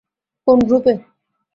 কোন গ্রুপে?